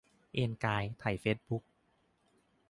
เอนกายไถเฟซบุ๊ก